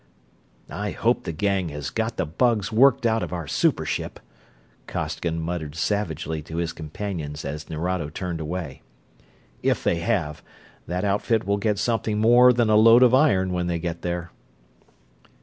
"I hope the gang has got the bugs worked out of our super ship," Costigan muttered savagely to his companions as Nerado turned away. "If they have, that outfit will get something more than a load of iron when they get there!"